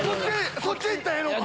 こっち行ったらええのか。